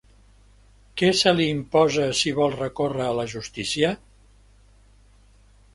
Què se li imposa si vol recórrer a la Justícia?